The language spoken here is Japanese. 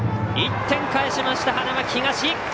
１点返しました花巻東！